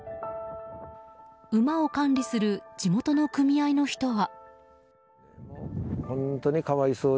馬を管理する地元の組合の人は。